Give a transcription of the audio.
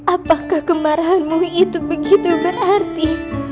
apakah kemarahanmu itu begitu berarti